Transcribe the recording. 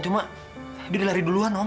cuma dia udah lari duluan om